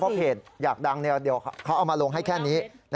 เพราะเพจอยากดังเดี๋ยวเขาเอามาลงให้แค่นี้